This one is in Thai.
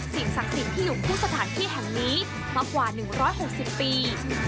สิ่งศักดิ์สิ่งที่อยู่ทุกสถานที่แห่งนี้มากว่า๑๖๐ปี